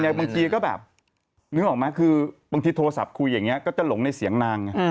นึกออกไหมคือบางทีโทรศัพท์คุยอย่างนี้ก็จะหลงในเสียงนาง